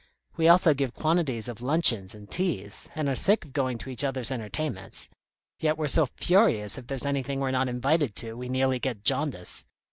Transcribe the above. We also give quantities of luncheons and teas, and are sick of going to each other's entertainments; yet we're so furious if there's anything we're not invited to, we nearly get jaundice.